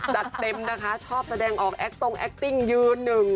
จัดเต็มนะคะชอบแสดงออกแอคตรงแคคติ้งยืนหนึ่ง